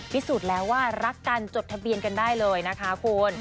พิสูจน์แล้วว่ารักกันจดทะเบียนกันได้เลยนะคะคุณ